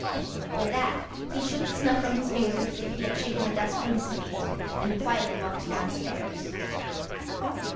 With that, he shook the snuff from his fingers as if he had shaken the dust from his feet, and quietly walked downstairs.